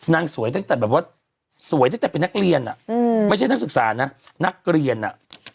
นางสวยตั้งแต่เป็นนักเรียนไม่ใช่นักศึกษานักเรียนน่ะ